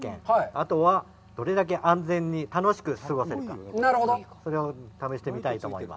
あとは、どれだけ安全に楽しく過ごせるか、それを試してみたいと思います。